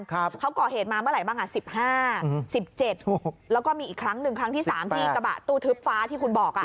เขาก่อเหตุมาเมื่อไหร่บ้าง๑๕๑๗แล้วก็มีอีกครั้ง๑ครั้งที่๓ที่กระบะตู้ทึบฟ้าที่คุณบอก